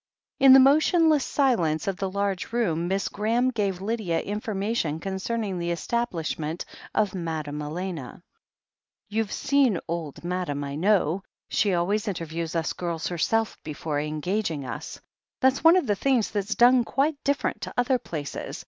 In the motionless silence of the large room Miss Graham gave Lydia information concerning the estab lishment of Madame Elena. "You've seen old Madam, I know. She always in terviews us girls herself before engaging us. That's one of the things that's done quite different to other places.